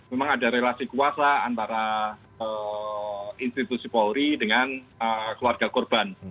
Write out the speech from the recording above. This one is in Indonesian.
memang ada relasi kuasa antara institusi polri dengan keluarga korban